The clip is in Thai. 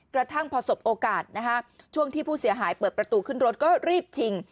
กระทั่งพอสบโอกาสช่วงที่ผู้เสียหายเปิดประตูขึ้นรถก็รีบชิง